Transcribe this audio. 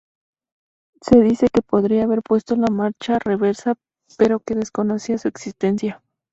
Se dice que podría haber puesto la marcha reversa pero que desconocía su existencia.